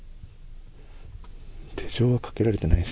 手錠はかけられていないです。